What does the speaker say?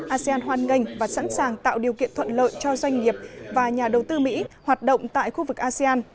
asean hoan nghênh và sẵn sàng tạo điều kiện thuận lợi cho doanh nghiệp và nhà đầu tư mỹ hoạt động tại khu vực asean